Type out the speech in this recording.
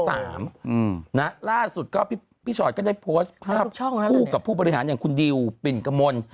ล่าสุดก็พี่ชอตก็ได้โพสต์ภาพคู่กับผู้บริหารอย่างคุณดิวปิ่นกมล